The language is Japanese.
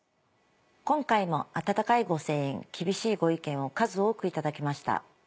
今回も温かいご声援厳しいご意見を数多く頂きました。